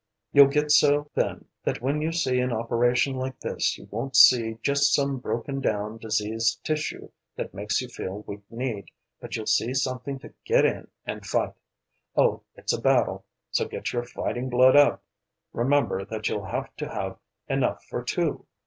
You'll get so then that when you see an operation like this you won't see just some broken down, diseased tissue that makes you feel weak kneed, but you'll see something to get in and fight. Oh, it's a battle so get your fighting blood up! Remember that you'll have to have enough for two.